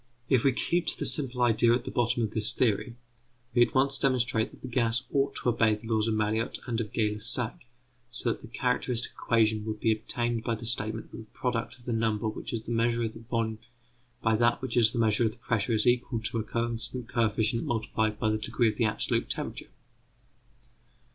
If we keep to the simple idea at the bottom of this theory, we at once demonstrate that the gas ought to obey the laws of Mariotte and of Gay Lussac, so that the characteristic equation would be obtained by the statement that the product of the number which is the measure of the volume by that which is the measure of the pressure is equal to a constant coefficient multiplied by the degree of the absolute temperature.